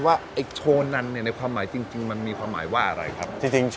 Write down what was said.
ว่าไอโชว์นั้นในความหมายจริงมันมีความหมายว่าอะไรที่กัน